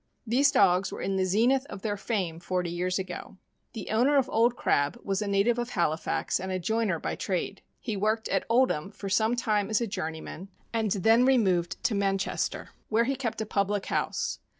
These dogs were in the zenith of their fame forty years ago. The owner of Old Crab was a native of Halifax, and a joiner by trade. He worked at Old ham for some time as a journeyman, and then removed to Manchester, where 442 THE AMERICAN BOOK OF THE DOG. he kept a public house.